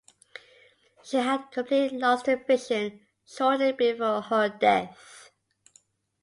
She had completely lost her vision shortly before her death.